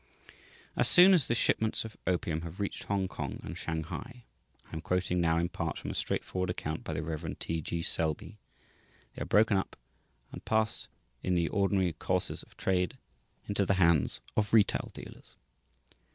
As soon as the shipments of opium have reached Hongkong and Shanghai (I am quoting now in part from a straightforward account by the Rev. T. G. Selby), they are broken up and pass in the ordinary courses of trade into the hands of retail dealers.